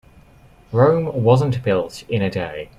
Rome wasn't built in a day.